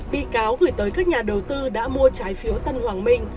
bị cáo gửi tới các nhà đầu tư đã mua trái phiếu tân hoàng minh